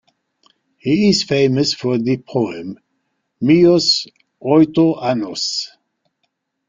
He is famous for the poem "Meus oito anos".